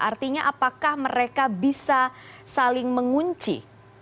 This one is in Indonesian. artinya apakah mereka bisa saling mengunci